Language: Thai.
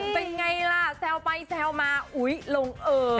เป็นไงล่ะแซวไปแซวมาอุ๊ยลงเอ่อ